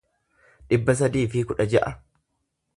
dhibba sadii fi kudha ja'a